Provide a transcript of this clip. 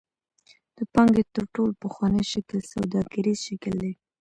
د پانګې تر ټولو پخوانی شکل سوداګریز شکل دی.